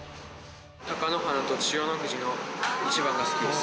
貴乃花と千代の富士の一番が好きです。